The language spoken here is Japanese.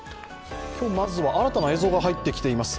まずは新たな映像が入ってきています。